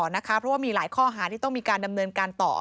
เพราะว่ามีหลายข้อหาที่ต้องมีการดำเนินการต่อ